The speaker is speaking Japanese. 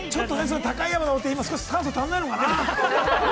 高い山登って、今、酸素が足りないのかな？